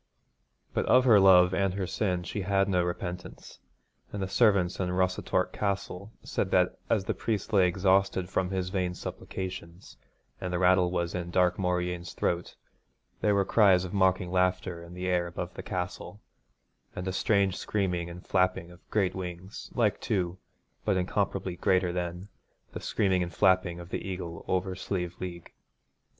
But of her love and her sin she had no repentance, and the servants in Rossatorc Castle said that as the priest lay exhausted from his vain supplications, and the rattle was in Dark Mauryeen's throat, there were cries of mocking laughter in the air above the castle, and a strange screaming and flapping of great wings, like to, but incomparably greater than, the screaming and flapping of the eagle over Slieve League.